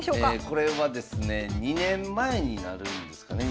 これはですね２年前になるんですかね